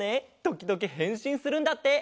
ときどきへんしんするんだって！